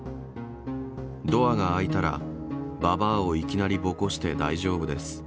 ドアが開いたら、ババアをいきなりボコして大丈夫です。